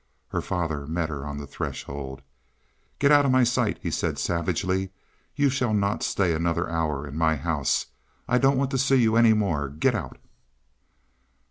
Her father met her on the threshold. "Get out of my sight!" he said savagely. "You shall not stay another hour in my house. I don't want to see you any more. Get out!"